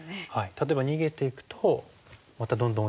例えば逃げていくとまたどんどん追いかけて。